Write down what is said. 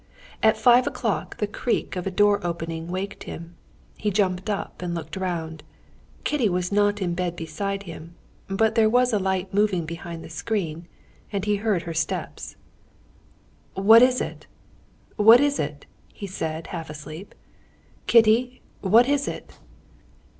At five o'clock the creak of a door opening waked him. He jumped up and looked round. Kitty was not in bed beside him. But there was a light moving behind the screen, and he heard her steps. "What is it?... what is it?" he said, half asleep. "Kitty! What is it?"